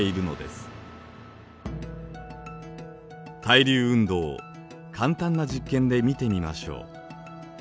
対流運動を簡単な実験で見てみましょう。